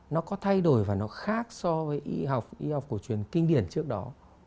nó có thay đổi và nó khác so với y học y học cổ truyền kinh điển trước đó